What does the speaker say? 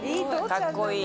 かっこいい。